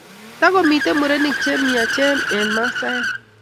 Takomiten murenik che miachen en masaek